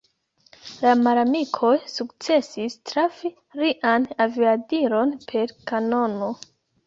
La malamikoj sukcesis trafi lian aviadilon per kanono.